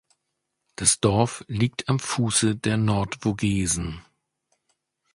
Das Dorf liegt am Fuße der Nordvogesen.